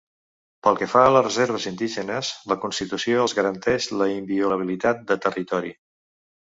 Pel que fa a les reserves indígenes, la constitució els garanteix la inviolabilitat de territori.